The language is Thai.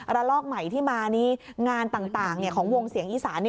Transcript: ลอกใหม่ที่มานี้งานต่างของวงเสียงอีสาน